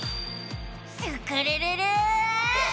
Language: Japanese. スクるるる！